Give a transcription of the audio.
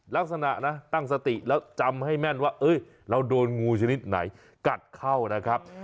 ลักษณะนะตั้งสติแล้วจำให้แม่นว่าเราโดนงูชนิดไหนกัดเข้านะครับ